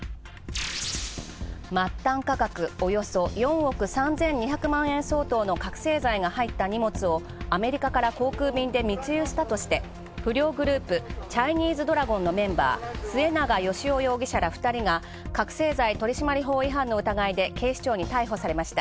末端価格およそ４億３２００万円相当の覚せい剤が入った荷物をアメリカから航空便で密輸したとして、不良グループ、チャイニーズドラゴンのメンバー末永芳男容疑者ら２人が警視庁に逮捕されました。